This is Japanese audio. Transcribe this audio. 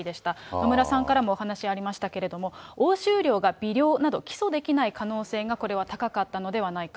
野村さんからもお話ありましたけれども、押収量が微量など、起訴できない可能性が、これは高かったのではないか。